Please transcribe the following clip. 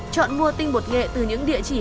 chọn mua tinh bột nghệ từ những địa chỉ